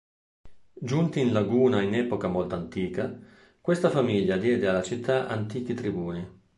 Giunti in laguna in epoca molto antica, questa famiglia diede alla città antichi tribuni.